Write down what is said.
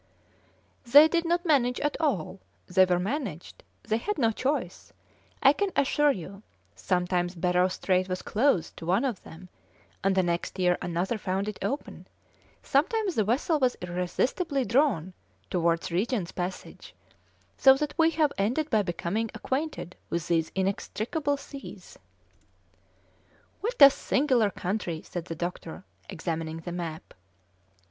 "They did not manage at all, they were managed; they had no choice, I can assure you; sometimes Barrow Strait was closed to one of them, and the next year another found it open; sometimes the vessel was irresistibly drawn towards Regent's Passage, so that we have ended by becoming acquainted with these inextricable seas." "What a singular country!" said the doctor, examining the map.